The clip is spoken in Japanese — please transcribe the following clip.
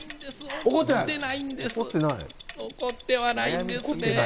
怒ってはないんですね。